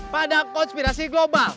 pada konspirasi global